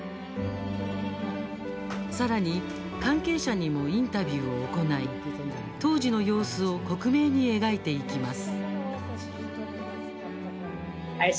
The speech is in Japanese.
さらに関係者にもインタビューを行い当時の様子を克明に描いていきます。